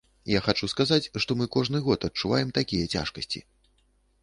Я хачу сказаць, што мы кожны год адчуваем такія цяжкасці.